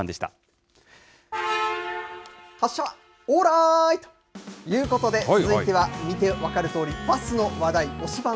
発車オーライ。ということで、続いては、見て分かるとおり、バスの話題、推しバン！